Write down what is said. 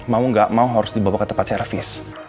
mau gak mau harus dibawa ke tempat servis